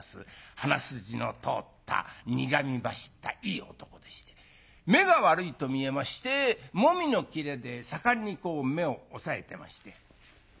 鼻筋の通った苦み走ったいい男でして目が悪いと見えまして紅絹の布で盛んにこう目を押さえてまして。